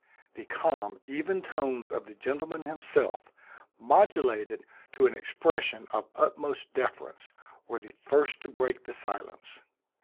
The calm even tones of the gentleman himself, modulated to an expression of utmost deference, were the first to break the silence.